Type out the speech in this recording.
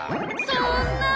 そんな！